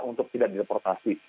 untuk tidak direportasi